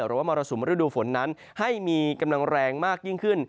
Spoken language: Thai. มรสุมฤดูฝนนั้นให้มีกำลังแรงมากยิ่งขึ้น